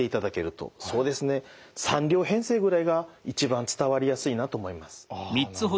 そうですね３両編成ぐらいが一番伝わりやすいなと思います。